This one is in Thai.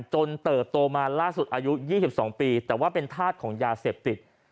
เติบโตมาล่าสุดอายุ๒๒ปีแต่ว่าเป็นธาตุของยาเสพติด